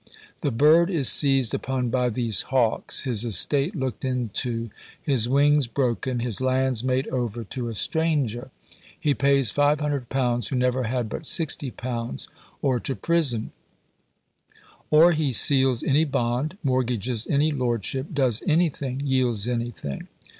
The bird is seized upon by these hawks, his estate looked into, his wings broken, his lands made over to a stranger. He pays £500, who never had but £60, or to prison; or he seals any bond, mortgages any lordship, does anything, yields anything.